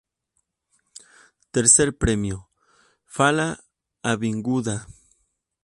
Tercer Premio: Falla Avinguda